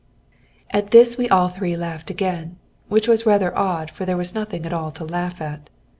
] At this we all three laughed again, which was rather odd, for there was nothing at all to laugh at.